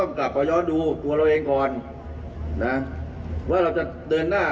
ในการที่จะทำอย่างไรให้